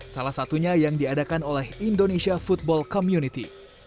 salah satunya yang diadakan oleh indonesia football community